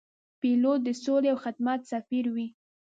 پیلوټ د سولې او خدمت سفیر وي.